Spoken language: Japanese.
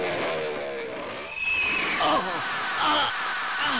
ああ！